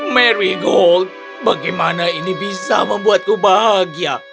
mary gold bagaimana ini bisa membuatku bahagia